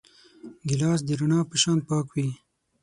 ګیلاس د رڼا په شان پاک وي.